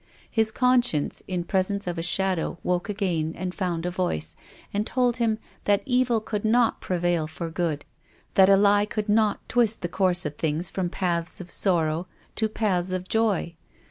His conscience, in pres ence of a shadow, woke again, and found a voice, and told him that evil could not prevail for good, that a lie could not twist the course of things from paths of sorrow to paths of joy.